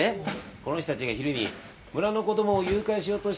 この人たちが昼に村の子供を誘拐しようとしたって噂があってね。